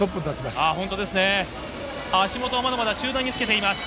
橋本はまだまだ中盤につけています。